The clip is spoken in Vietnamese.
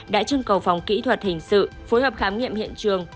đã trưng cầu phòng kỹ thuật hình sự phối hợp khám nghiệm hiện trường